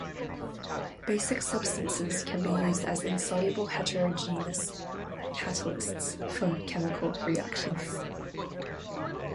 Basic substances can be used as insoluble heterogeneous catalysts for chemical reactions.